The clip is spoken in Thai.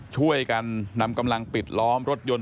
ช่วยกันนำกำลังปิดล้อมรถยนต์